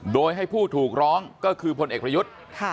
โดยให้ผู้ถูกร้องก็คือพลเอกประยุทธ์